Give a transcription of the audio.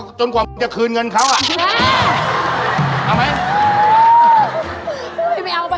ก็จนกว่าจะคืนเงินเข้าอะใช่ไปเอาล่ะ